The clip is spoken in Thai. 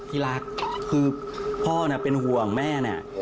พี่ลักคือพ่อเป็นห่วงแม่น่ะ